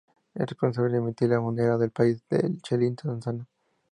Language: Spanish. Es responsable emitir la moneda del país, el chelín tanzano.